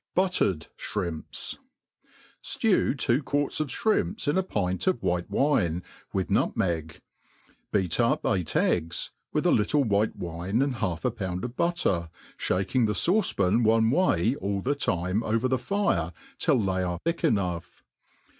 Buttered Shrimps* STEW two quarts of flirimps in a pint of white wine, with , nutmeg; beat up eight eggs. With a little white wine and half a pound of butter, (baking the fauce pan one way all the time' over the (ire till they are thick enough.